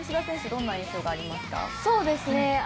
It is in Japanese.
どんな印象がありますか？